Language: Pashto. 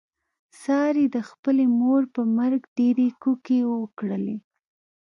سارې د خپلې مور په مرګ ډېرې کوکې وکړلې.